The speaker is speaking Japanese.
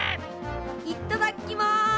いっただっきます。